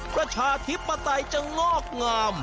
ประชาธิปไตยจะงอกงาม